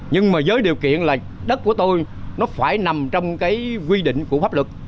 nhưng mà với điều kiện là đất của tôi nó phải nằm trong cái quy định của bác